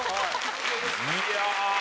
いや。